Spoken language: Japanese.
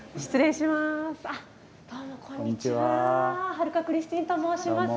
春香クリスティーンと申します。